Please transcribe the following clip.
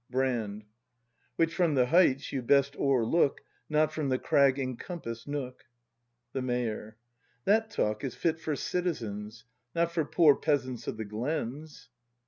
Brand. Which from the heights you best o'erlook. Not from the crag encompass'd nook. The Mayor. That talk is fit for citizens. Not for poor peasants of the glens.